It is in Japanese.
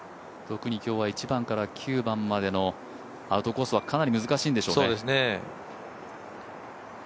特に今日は１番から９番までのアウトコースはかなり難しいんでしょうかね。